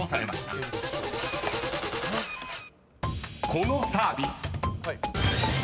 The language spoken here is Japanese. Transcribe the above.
［このサービス］